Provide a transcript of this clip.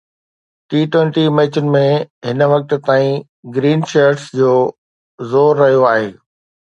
ٽي twenty ميچن ۾ هن وقت تائين گرين شرٽس جو زور رهيو آهي